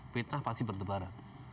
fitnah pasti berdebaran